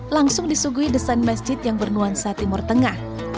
langsung disuguhi desain masjid yang bernuansa timur tengah